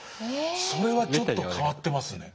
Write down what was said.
それはちょっと変わってますね。